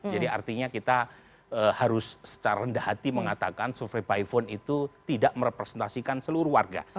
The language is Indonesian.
jadi artinya kita harus secara rendah hati mengatakan survei by phone itu tidak merepresentasikan seluruh warga